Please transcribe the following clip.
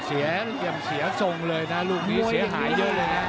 เสียจงเลยนะลูกนี้เสียหายเยอะเลยนะ